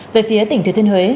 về phía tỉnh thừa thiên huế